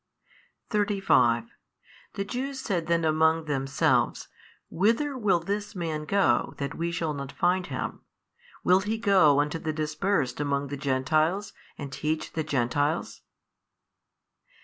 35 The Jews said then among themselves, Whither will this man go that WE shall not find Him? will He go unto the dispersed among the Gentiles and teach the Gentiles?